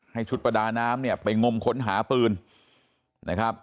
ชุดประดาน้ำเนี่ยไปงมค้นหาปืนนะครับ